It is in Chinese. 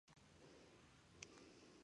中国平形吸虫为双腔科平形属的动物。